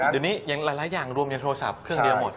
เดี๋ยวนี้อย่างหลายอย่างรวมในโทรศัพท์เครื่องเดียวหมด